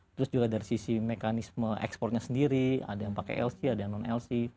terus juga dari sisi mekanisme ekspornya sendiri ada yang pakai lc ada yang non lc